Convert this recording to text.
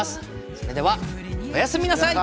それではおやすみなさい！